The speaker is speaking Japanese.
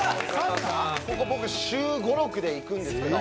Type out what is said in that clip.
「ここ僕週５６で行くんですけど」